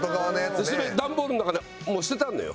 それ段ボールの中でもう捨ててあるのよ。